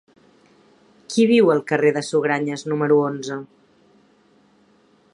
Qui viu al carrer de Sugranyes número onze?